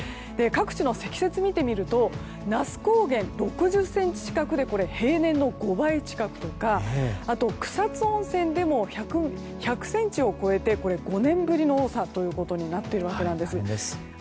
各地の積雪を見てみると那須高原は６０ｃｍ近くで平年の５倍近くとか草津温泉でも１００ｃｍを超えて５年ぶりの多さとなっているわけなんです。